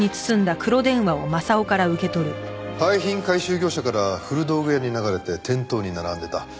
廃品回収業者から古道具屋に流れて店頭に並んでた。